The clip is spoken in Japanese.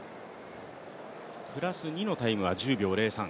プラス２のタイムは１０秒０３